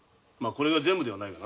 これが全部ではないが。